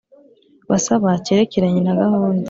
Basaba cyerekeranye na gahunda